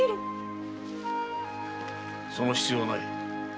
その必要はない。